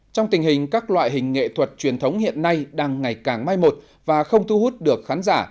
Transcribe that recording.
trong tình hình các loại hình nghệ thuật truyền thống hiện nay đang ngày càng mai một và không thu hút được khán giả